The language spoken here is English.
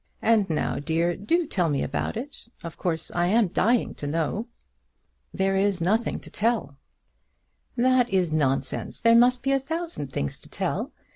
And now, dear, do tell me about it. Of course I am dying to know." "There is nothing to tell." "That is nonsense. There must be a thousand things to tell.